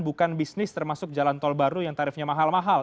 bukan bisnis termasuk jalan tol baru yang tarifnya mahal mahal